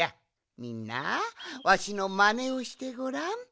みんなわしのマネをしてごらん。